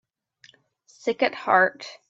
Sick at heart